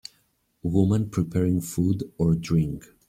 Woman preparing food or drink.